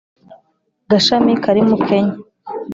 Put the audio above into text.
gashami kari mu Kenya